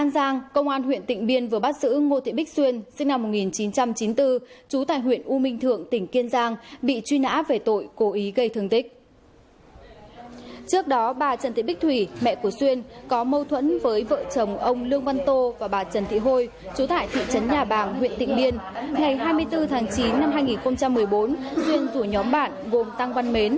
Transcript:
các bạn hãy đăng ký kênh để ủng hộ kênh của chúng mình nhé